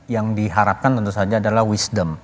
yang diharapkan tentu saja adalah wisdom